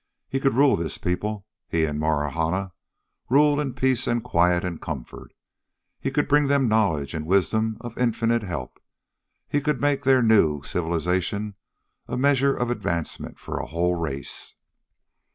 He could rule this people, he and Marahna, rule in peace and quiet and comfort. He could bring them knowledge and wisdom of infinite help; he could make their new civilization a measure of advancement for a whole race.